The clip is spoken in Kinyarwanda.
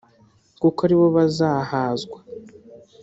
kuko aribo bazahazwa